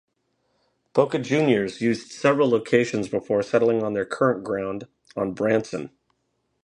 Boca Juniors used several locations before settling on their current ground on Brandsen.